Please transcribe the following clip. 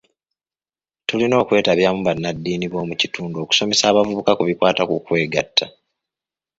Tulina okwetabyamu bannadddiini b'omu kitundu okusomesa abavubuka ku bikwata ku kwegatta.